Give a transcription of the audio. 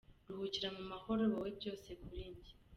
Ruhukira mu mahoro wowe byose kuri njye.